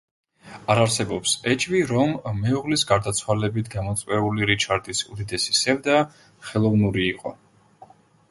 არ არსებობს ეჭვი, რომ მეუღლის გარდაცვალებით გამოწვეული რიჩარდის უდიდესი სევდა ხელოვნური იყო.